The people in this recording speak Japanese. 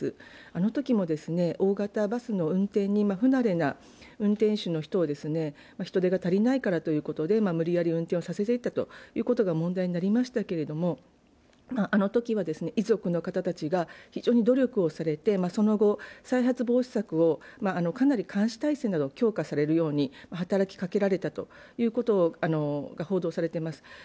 あのときも大型バスの運転に不慣れな運転手の人を、人手が足りないからということで無理やり運転させていたことが問題になりましたけれどもあのときは遺族の方たちが非常に努力をされて、その後、再発防止策をかなり監視体制などを強化させるように働きかけられたということが報道されています。